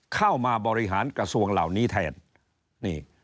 เข้ามาบริหารกระทรวงเหล่านี้แทนนี่